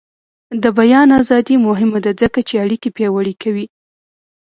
د بیان ازادي مهمه ده ځکه چې اړیکې پیاوړې کوي.